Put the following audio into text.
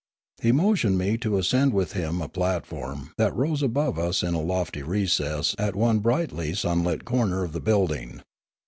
He motioned me to ascend with him a platform that rose above us in a lofty recess at one brightly sunlit corner of the build ing.